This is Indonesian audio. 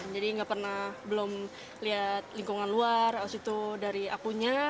jadi nggak pernah belum lihat lingkungan luar aus itu dari akunya